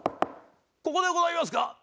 ここでございますか？